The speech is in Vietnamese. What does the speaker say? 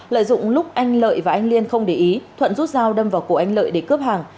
lợi dụng lúc anh lợi và anh liên không để ý thuận rút dao đâm vào cổ anh lợi để cướp hàng